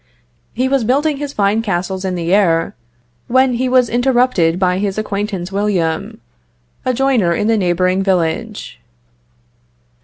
He was building his fine castles in the air, when he was interrupted by his acquaintance William, a joiner in the neighboring village.